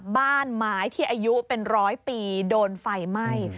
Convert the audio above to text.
บ้านไม้ที่อายุเป็นร้อยปีโดนไฟไหม้